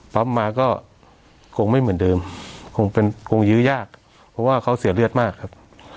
ปั๊มมาก็คงไม่เหมือนเดิมคงเป็นคงยื้อยากเพราะว่าเขาเสียเลือดมากครับ